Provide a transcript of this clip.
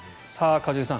一茂さん